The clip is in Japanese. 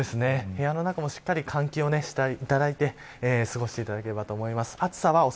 部屋の中も、しっかり換気をして過ごしていただきたいと思います。